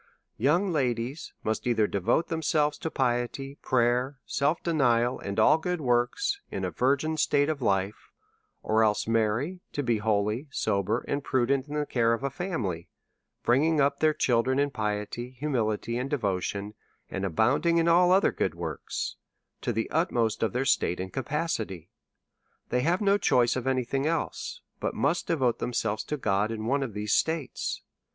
Young ladies must either devote themselves to piety, j)rayer, self denial, and all good works, in a virgin state of life, or else marry to be holy, sober, and pru dent in the care of a family, bringing up their chil dren in piety, humility^ and devotion, and abounding^ 110 A SERIOUS CALL TO A in all other good works to the utmost of their state and capacity. They have no choice of any thing else,, but must devote themselves to God in one of these states.